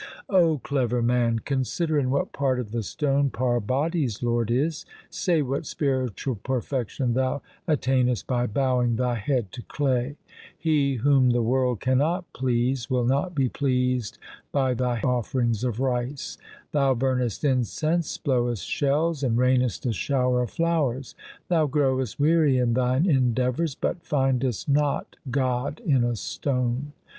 O clever man, consider in what part of the stone Parbati's lord is. Say what spiritual perfection thou attain est by bowing thy head to clay ? He whom the world cannot please will not be pleased by thy offerings of rice. Thou burnest incense, blowest shells, and rainest a shower of flowers. Thou growest weary in thine endeavours, but findest not God in a stone.